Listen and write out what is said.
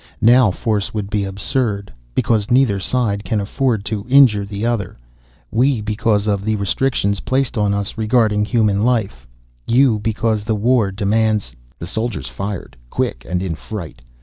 Now force would be absurd, because neither side can afford to injure the other; we, because of the restrictions placed on us regarding human life, you because the war demands " The soldiers fired, quick and in fright.